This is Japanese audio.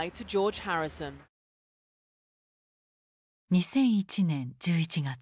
２００１年１１月。